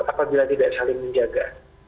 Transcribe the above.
apabila tidak saling menjaga